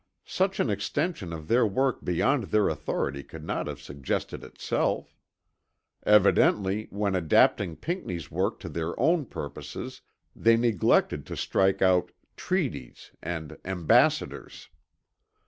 Such an extension of their work beyond their authority could not have suggested itself. Evidently when adapting Pinckney's work to their own purposes they neglected to strike out "treaties" and "ambassadors."